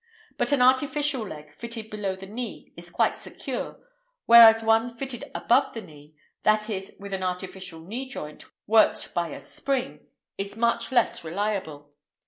But an artificial leg fitted below the knee is quite secure, whereas one fitted above the knee—that is, with an artificial knee joint worked by a spring—is much less reliable.